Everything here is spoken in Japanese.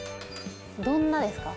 どんなですか？